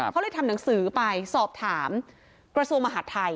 เขาเลยทำหนังสือไปสอบถามกระทรวงมหาดไทย